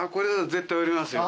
絶対売れますよ。